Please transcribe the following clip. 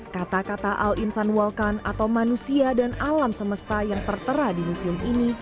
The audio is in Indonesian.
kata kata al insan walkan atau manusia dan alam semesta yang tertera di museum ini